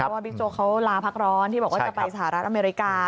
บิ๊กโจ๊กเขาลาพักร้อนที่บอกว่าจะไปสหรัฐอเมริกา